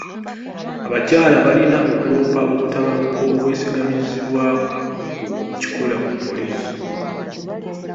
Abakyala balina okuloopa obutabanguko obwesigamizibwa ku kikula ku poliisi.